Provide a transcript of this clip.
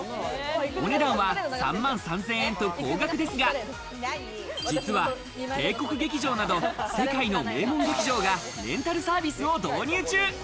お値段は３万３０００円と高額ですが、実は、帝国劇場など世界の名門劇場がレンタルサービスを導入中。